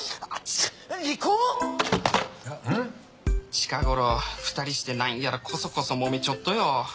近頃２人してなんやらこそこそもめちょっとよ。